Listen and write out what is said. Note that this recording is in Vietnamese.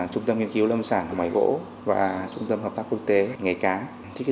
trung tâm nghiên cứu lâm sản của máy gỗ và trung tâm hợp tác quốc tế nghề cá